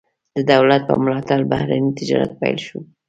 د دولت په ملاتړ بهرنی تجارت پیل شو.